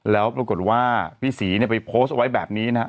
แล้วปรากฏว่าพี่ศรีเนี่ยไปโพสต์ไว้แบบนี้นะฮะ